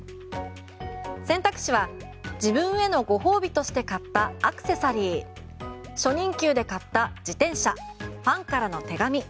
選択肢は自分へのご褒美として買ったアクセサリー初任給で買った自転車ファンからの手紙。